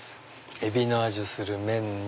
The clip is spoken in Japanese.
エビの味する麺に。